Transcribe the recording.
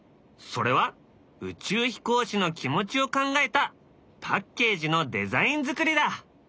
それは宇宙飛行士の気持ちを考えたパッケージのデザイン作りだ。